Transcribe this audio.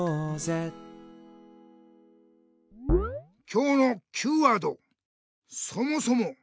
今日のＱワード「そもそも？」。